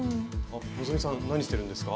あ希さん何してるんですか？